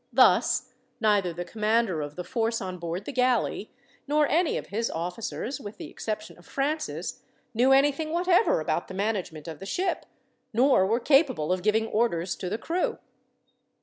Thus, neither the commander of the force on board the galley, nor any of his officers, with the exception of Francis, knew anything whatever about the management of the ship, nor were capable of giving orders to the crew.